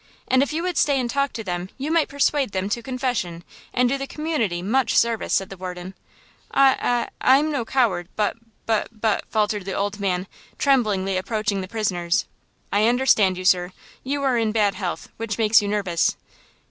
And if you would stay and talk to them you might persuade them to confession and do the community much service," said the warden. "I–I–I'm no coward, but–but–but–" faltered the old man, tremblingly approaching the prisoners. "I understand you, sir. You are in bad health, which makes you nervous."